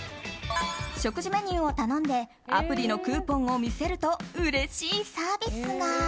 食事メニューを頼んでアプリのクーポンを見せるとうれしいサービスが。